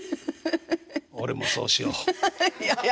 俺もそうしよう。